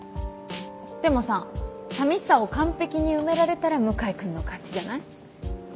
でもさ寂しさを完璧に埋められたら向井君の勝ちじゃない？